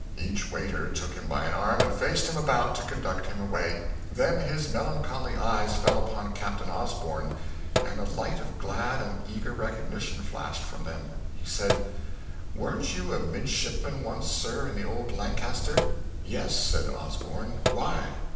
Each waiter took him by an arm and faced him about to conduct him away. Then his melancholy eyes fell upon Captain Osborn, and a light of glad and eager recognition flashed from them. He said, "Weren't you a midshipman once, sir, in the old 'Lancaster'?" "Yes," said Osborn. "Why?"